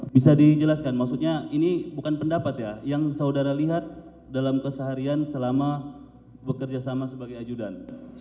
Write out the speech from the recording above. bisa dijelaskan maksudnya ini bukan pendapat ya yang saudara lihat dalam keseharian selama bekerja sama sebagai ajudan